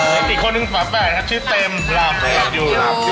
น้องเติมครับอีกคนหนึ่งขวาแปดครับชื่อเต็มราบอยู่ราบอยู่